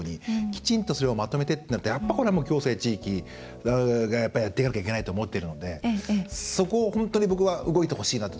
きちんとそれをまとめるとなるとこれは行政、地域がやっていかなきゃいけないと思っているのでそこを本当に僕は動いてほしいなと